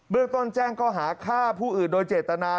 เรื่องต้นแจ้งก็หาฆ่าผู้อื่นโดยเจตนา